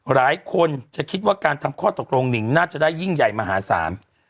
หลายคนจะคิดว่าการทำข้อตกลงหนิงน่าจะได้ยิ่งใหญ่มหาศาล